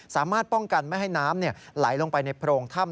สามารถป้องกันไม่ให้น้ำไหลลงไปในโพรงถ้ำ